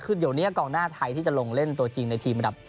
คือเดี๋ยวนี้กองหน้าไทยที่จะลงเล่นตัวจริงในทีมระดับ